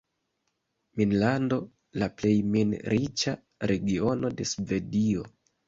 "Minlando", la plej min-riĉa regiono de Svedio.